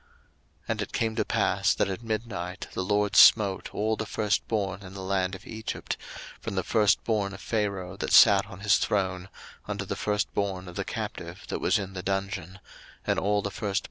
02:012:029 And it came to pass, that at midnight the LORD smote all the firstborn in the land of Egypt, from the firstborn of Pharaoh that sat on his throne unto the firstborn of the captive that was in the dungeon; and all the firstborn of cattle.